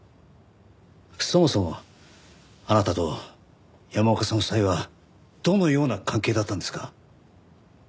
そもそもあなたと山岡さん夫妻はどのような関係だったんですか？